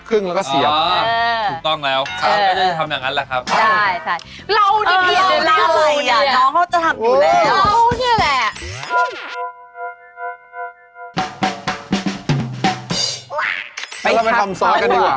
ขึ้นแล้วก็เสียบหั่นงอเหมือนท้องปลาหมึดเนี่ยต้องหมนหละ